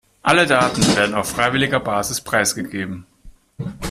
Alle Daten werden auf freiwilliger Basis preisgegeben.